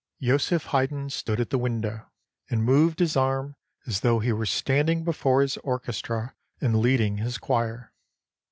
Joseph Haydn stood at the window, and nioved his arm as though he were standing before his orchestra and leading his choir.